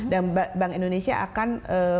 dan bank indonesia akan